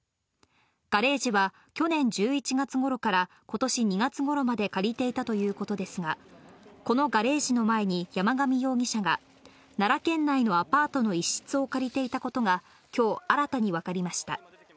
ガレージは去年１１月ごろからことし２月ごろまで借りていたということですが、このガレージの前に山上容疑者が、奈良県内のアパートの一室を借りていたことがきょう新たに分かりました。